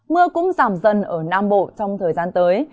mưa cũng giảm dần ở nam bộ trong thời gian tới